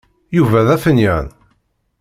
Yuba d afenyan.